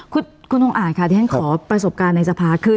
คุณทงอ่านค่ะที่ฉันขอประสบการณ์ในสภาคือ